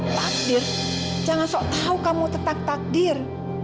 takdir jangan sok tahu kamu tetap takdir